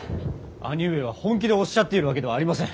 兄上は本気でおっしゃっているわけではありません。